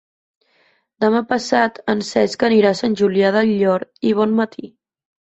Demà passat en Cesc anirà a Sant Julià del Llor i Bonmatí.